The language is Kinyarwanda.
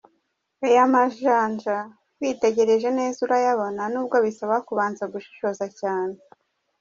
Aya majanja witegereje neza urayabona n’ubwo bisaba kubanza gushishoza cyane.